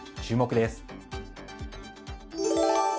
注目です。